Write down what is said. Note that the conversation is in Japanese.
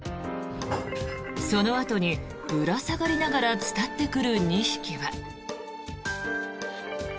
そのあとにぶら下がりながら伝ってくる２匹は。